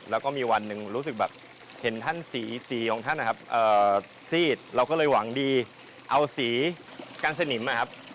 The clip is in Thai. แล้วก็มีวันหนึ่งรู้สึกแบบเห็นท่านสีสีของท่านนะครับซีดเราก็เลยหวังดีเอาสีกันสนิมนะครับ